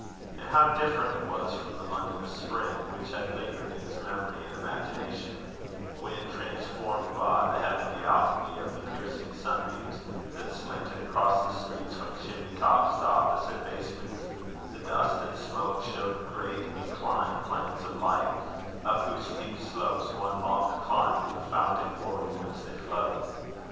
And how different it was from the London of spring, which had lingered in his memory and imagination; when, transformed by the "heavenly alchemy" of the piercing sunbeams that slanted across the streets from chimney tops to opposite basements, the dust and smoke showed great inclined planes of light, up whose steep slopes one longed to climb to the fountain glory whence they flowed!